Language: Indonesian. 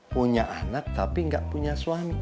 punya anak tapi nggak punya suami